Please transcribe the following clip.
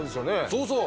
そうそう！